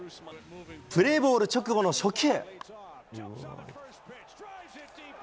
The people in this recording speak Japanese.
プレーボール直後の初球。